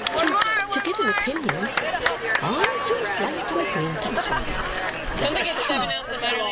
"To give an opinion " "On so slight an acquaintance, my dear. THAT'S true."